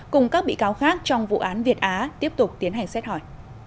cùng các bị cáo khác trong vụ án việt á tiếp tục tiến hành xét hỏi